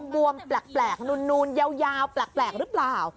บวมแปลกนูนยาวแปลกหรือเปล่า